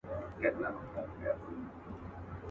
دوه شاهان په مملکت کي نه ځاییږي.